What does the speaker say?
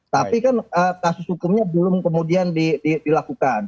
tapi kan kasus hukumnya belum kemudian dilakukan